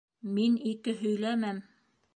Мин ике һөйләмәм.